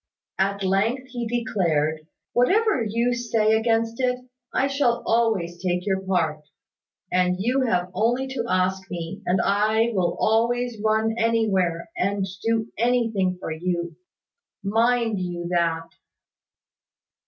At length he declared, "Whatever you say against it, I shall always take your part: and you have only to ask me, and I will always run anywhere, and do anything for you. Mind you that."